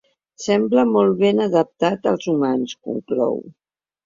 Sembla molt ben adaptat als humans, conclou.